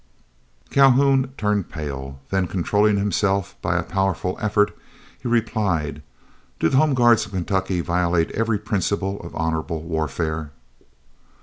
Calhoun turned pale, then controlling himself by a powerful effort, he replied: "Do the Home Guards of Kentucky violate every principle of honorable warfare?"